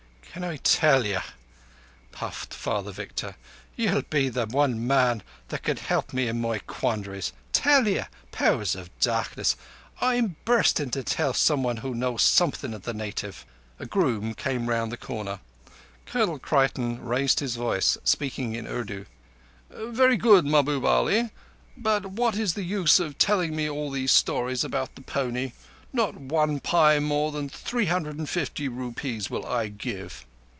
"Can I tell you?" puffed Father Victor. "You'll be the one man that could help me in my quandaries. Tell you! Powers o' Darkness, I'm bursting to tell someone who knows something o' the native!" A groom came round the corner. Colonel Creighton raised his voice, speaking in Urdu. "Very good, Mahbub Ali, but what is the use of telling me all those stories about the pony? Not one pice more than three hundred and fifty rupees will I give."